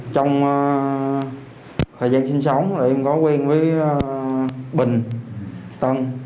trong thời gian sinh sống là em có quen với bình tân